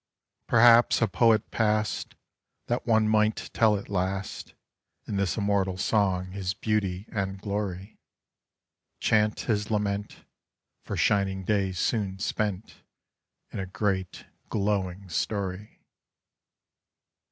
Perhaps a poet passed That one might tell at last In this immortal song his beauty and glory; Chant his lament For shining days soon spent, In a great glowing story.